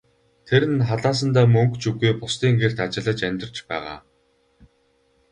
Тэр нь халаасандаа мөнгө ч үгүй, бусдын гэрт ажиллаж амьдарч байгаа.